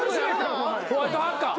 ホワイトハッカー。